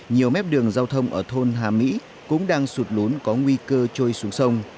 nhiều mép đường giao thông ở thôn hà mỹ cũng đang sụt lốn có nguy cơ trôi xuống sông